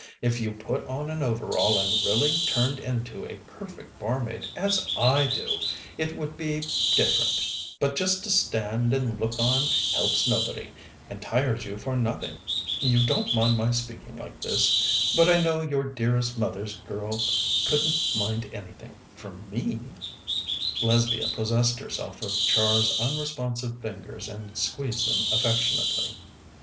If you put on an overall, and really turned into a perfect barmaid, as I do, it would be different, but just to stand and look on helps nobody, and tires you for nothing. You don't mind my speaking like this? But I know your dearest mother's girl couldn't mind anything, from me!" Lesbia possessed herself of Char's unresponsive fingers and squeezed them affectionately.